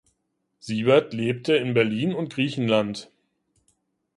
Siebert lebte in Berlin und Griechenland.